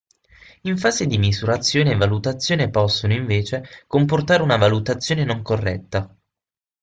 In fase di misurazione e valutazione possono, invece, comportare una valutazione non corretta.